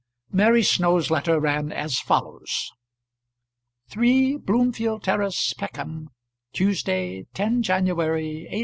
Mary Snow's letter ran as follows: 3 Bloomfield Terrace, Peckham, Tuesday, 10 January, 18